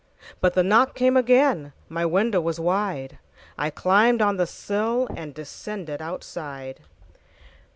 But the knock came againMy window was wide;I climbed on the sillAnd descended outside.